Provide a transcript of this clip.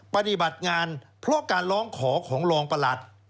ปฏิบัติงานเพราะการร้องขอของรองประหลัด